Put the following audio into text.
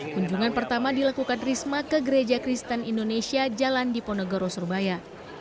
kunjungan pertama dilakukan risma ke gereja kristen indonesia jalan diponegoro surabaya